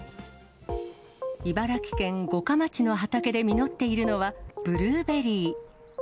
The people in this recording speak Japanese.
茨城県五霞町の畑で実っているのはブルーベリー。